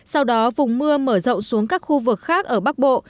sau đó vùng mưa mở rộng xuống các khu vực khác ở bắc bộ